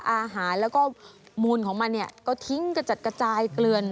อาหารแล้วก็มูลของมันเนี่ยก็ทิ้งกระจัดกระจายเกลือน